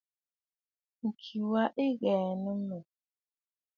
Ŋ̀ki wa ɨ kɛ̀ɛ̀nə̀ mə̂.